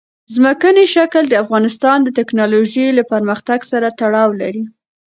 ځمکنی شکل د افغانستان د تکنالوژۍ له پرمختګ سره تړاو لري.